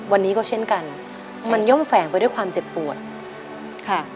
วันนี้ก็เช่นกันมันย่อมแฝงไปด้วยความเจ็บปวดค่ะ